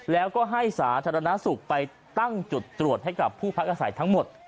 แล้วก็ให้สาธารณสุขไปตั้งจุดตรวจให้กับผู้พักอาศัยทั้งหมด